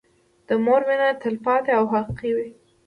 د مور مينه تلپاتې او حقيقي وي.